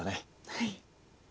はい。